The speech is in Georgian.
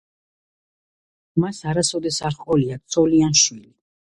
მას არასოდეს არ ყოლია ცოლი ან შვილი.